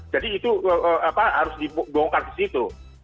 jadi itu harus dibongkar ke situ